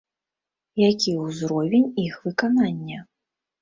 Які ўзровень іх выканання?